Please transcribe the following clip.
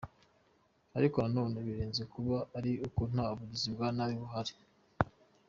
Ariko na none birenze kuba ari uko nta bugizi bwa nabi buhari.